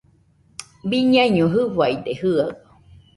Biñaiño jɨfaide jɨaɨ